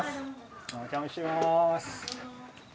お邪魔します。